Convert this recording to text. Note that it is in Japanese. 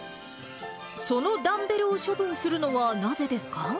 そのダンベルを処分するのは、なぜですか？